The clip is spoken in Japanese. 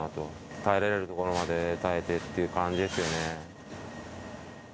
耐えられるところまで耐えてっていう感じですよね。